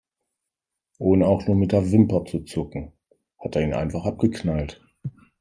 Ohne auch nur mit der Wimper zu zucken, hat er ihn einfach abgeknallt.